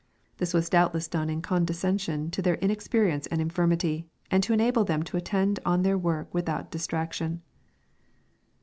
This was doubtless done in condescension to their inexperience and in firmity, and to enable them to attend on their work without dis traction.